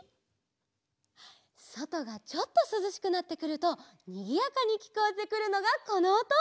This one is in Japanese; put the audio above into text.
そとがちょっとすずしくなってくるとにぎやかにきこえてくるのがこのおと。